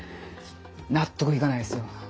納得いかないですよ。